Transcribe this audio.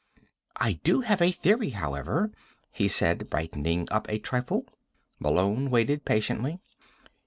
"I do have a theory, however," he said, brightening up a trifle. Malone waited patiently.